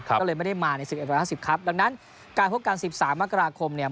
ก็เลยไม่ได้มาใน๑๑๕๐ครับดังนั้นการพบกัน๑๓มกราคมเนี่ย